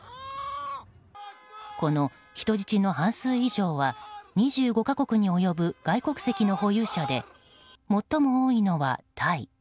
この人質の半数以上は２５か国に及ぶ外国籍の保有者で最も多いのはタイ。